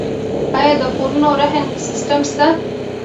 آیا د کورونو رهن سیستم شته؟